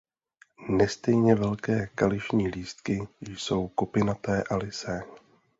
Nestejně velké kališní lístky jsou kopinaté a lysé.